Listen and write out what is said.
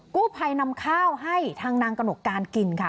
กู้ภัยนำข้าวให้ทางนางกระหนกการกินค่ะ